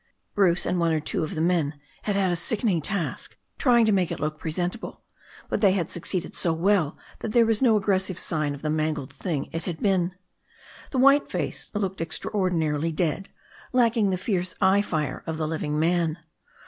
Bruce and one or two of the men had had a sick ening task trying to make it look presentable, but they had succeeded so well that there was no aggressive sign of the mangled thing it had been. The white face looked extraor dinarily dead, lacking the fierce eye fire of the living man.